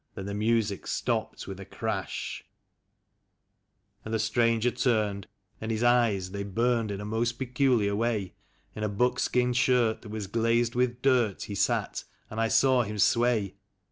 . then the music stopped with a crash, And the stranger turned, and his eyes they burned in a most peculiar way ; In a buckskin shirt that was glazed with dirt he sat, and I saw him sway; 34 THE SUOOTiyO OF DAN McGREW.